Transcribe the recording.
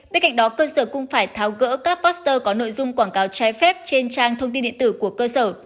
bên cạnh đó cơ sở cũng phải tháo gỡ các poster có nội dung quảng cáo trái phép trên trang thông tin điện tử của cơ sở